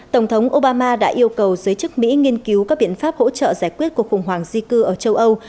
tổng thống obama đã yêu cầu giới chức mỹ nghiên cứu các biện pháp hỗ trợ giải quyết cuộc khủng hoảng di cư ở châu âu